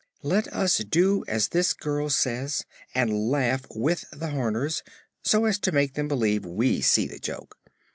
"Let us do as this girl says and laugh with the Horners, so as to make them believe we see the joke.